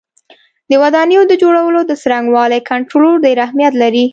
د ودانیو د جوړولو د څرنګوالي کنټرول ډېر اهمیت لري.